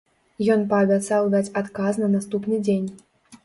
Ён паабяцаў даць адказ на наступны дзень.